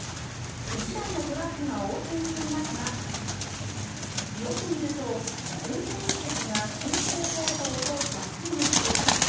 １台のトラックが横転していますがよく見ると運転席が進行方向と逆向き。